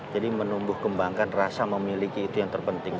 jadi menembuh kembangkan rasa memiliki itu yang terpenting